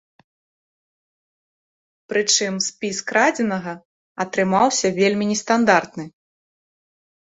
Прычым спіс крадзенага атрымаўся вельмі нестандартны.